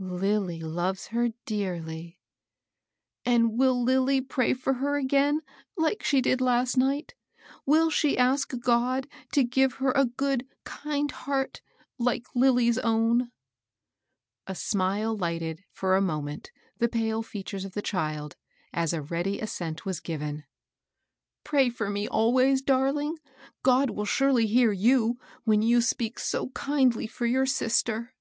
Lilly loves her dearly." " And will Lilly pray for her again, hke she did l^st night ? Will she ask God to give her a good, kind heart, like Lilly's own ?" A smile lighted, for a moment, the pale features of the child, as a ready assent was given. 80 MADEL ROSS. Pray for me always, darling. God will surely hear you, when you speak so kindly for your sis ter."